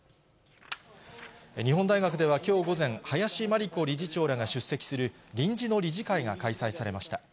日本大学ではきょう午前、林真理子理事長らが出席する臨時の理事会が開催されました。